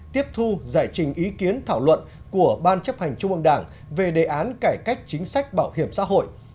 tiếp thu giải trình ý kiến thảo luận của ban chấp hành trung ương đảng về đề án cải cách chính sách bảo hiểm xã hội